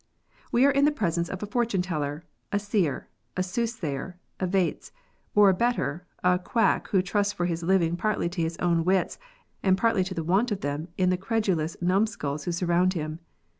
We are in the presence of a fortune teller, a seer, a soothsayer, a vates ; or better, a quack who trusts for his living partly to his own wits, and partly to the want of them in the credulous numskulls who surround him.